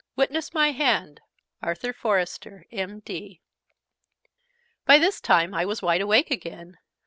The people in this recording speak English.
Witness my hand, Arthur Forester, M.D." By this time I was wide awake again.